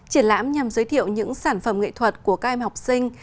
triển lãm nhằm giới thiệu những sản phẩm nghệ thuật của các em học sinh